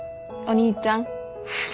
お兄ちゃん。